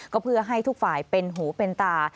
ก็เพื่อให้ทุกฝ่ายเป็นหูเป็นตา